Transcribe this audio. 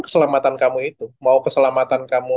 keselamatan kamu itu mau keselamatan kamu